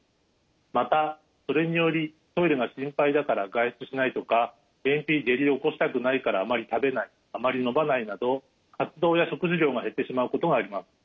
またそれによりトイレが心配だから外出しないとか便秘下痢を起こしたくないからあまり食べないあまり飲まないなど活動や食事量が減ってしまうことがあります。